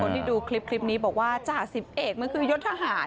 เป็นจ่า๑๐เอกแต่คนที่ดูคลิปนี้บอกว่าจ่า๑๐เอกมันคือยกทหาร